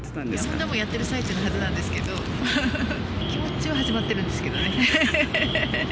本当はもうやってる最中のはずなんですけど、気持ちは始まってるんですけどね。